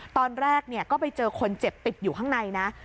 ตอนแรกก็ไปเจอคนเจ็บติดอยู่ข้างในนะ